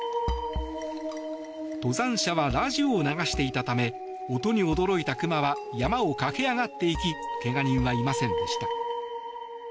登山者はラジオを流していたため音に驚いたクマは山を駆け上がっていきけが人はいませんでした。